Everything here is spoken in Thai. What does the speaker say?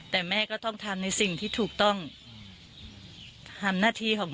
แต่แม่ก็ต้องทำในสิ่งที่ถูกต้องทำหน้าที่หรือไม่ถูกต้อง